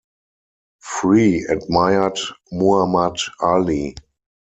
Free admired Muhammad Ali.